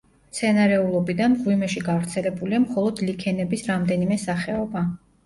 მცენარეულობიდან მღვიმეში გავრცელებულია მხოლოდ ლიქენების რამდენიმე სახეობა.